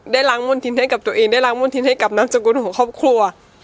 ล้างมณฑินให้กับตัวเองได้ล้างมณฑินให้กับนามสกุลของครอบครัว